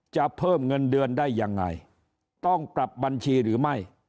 เพิ่มเงินเดือนได้ยังไงต้องปรับบัญชีหรือไม่